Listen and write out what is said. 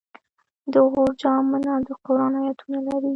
د غور جام منار د قرآن آیتونه لري